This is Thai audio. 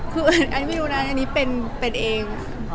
คืออันนี้ไม่รู้นะอันนี้เป็นเอง